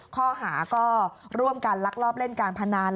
ข้อหาก็ร่วมกันลักลอบเล่นการพนัน